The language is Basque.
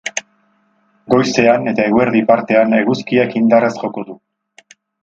Goizean eta eguerdi partean eguzkiak indarrez joko du.